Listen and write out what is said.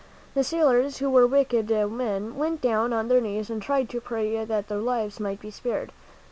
The sailors, who were wicked men, went down on their knees and tried to pray that their lives might be spared.